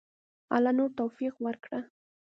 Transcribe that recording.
الله نور توفیق ورکړه.